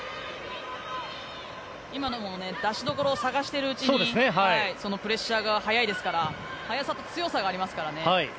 今のも出しどころを探しているうちにプレッシャーが早いですから早さと強さがありますからね。